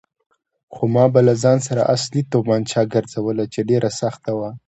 خو ما به له ځان سره اصلي تومانچه ګرځوله چې ډېره سخته وه.